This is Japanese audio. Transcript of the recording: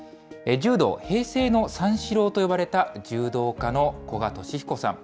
柔道、平成の三四郎と呼ばれた柔道家の古賀稔彦さん。